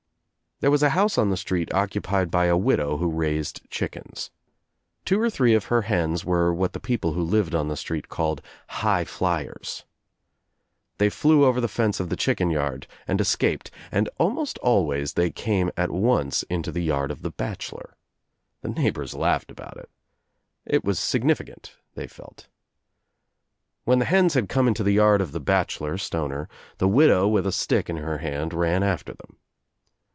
There was a house on the street occupied by a widow: who raised chickens. Two or three of her hens were what the people who lived on the street called 'high, flyers.' They flew over the fence of the chicken yard and escaped and almost always they came at once into the yard of the bachelor. The neighbors laughed about it. It was significant, they felt. When the hens had come Into the yard of the bachelor, Stoner, the widow with a stick in her hand ran after them.